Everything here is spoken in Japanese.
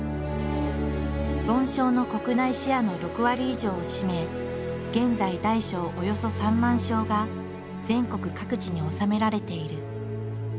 梵鐘の国内シェアの６割以上を占め現在大小およそ３万鐘が全国各地に納められている。